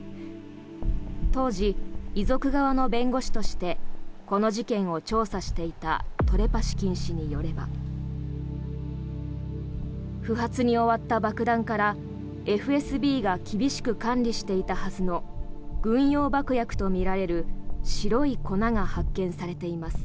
当時、遺族側の弁護士としてこの事件を調査していたトレパシキン氏によれば不発に終わった爆弾からＦＳＢが厳しく管理していたはずの軍用爆薬とみられる白い粉が発見されています。